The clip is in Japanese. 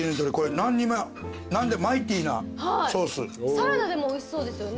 サラダでもおいしそうですよね。